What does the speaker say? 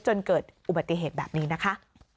จนเกิดอุบัติเหตุแบบนี้นะคะ